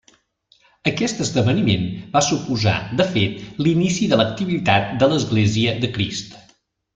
Aquest esdeveniment va suposar, de fet, l'inici de l'activitat de l'Església de Crist.